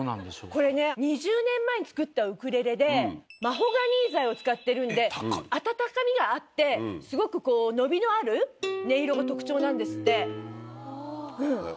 これね２０年前に作ったウクレレでマホガニー材を使ってるんで温かみがあってすごくこう伸びのある音色が特徴なんですって。